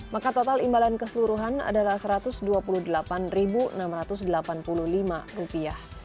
maka total imbalan keseluruhan adalah satu ratus dua puluh delapan enam ratus delapan puluh lima rupiah